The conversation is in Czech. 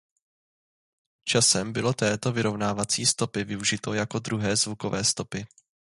Časem bylo této vyrovnávací stopy využito jako druhé zvukové stopy.